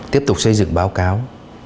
tiếp tục xây dựng báo cáo